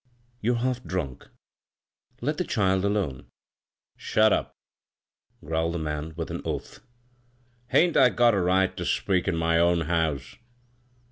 "You're half drunk — let the child alone." " Shut up I " growled the man with an oath. " Hain't I got a right ter speak in my own house?